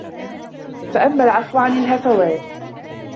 فَأَمَّا الْعَفْوُ عَنْ الْهَفَوَاتِ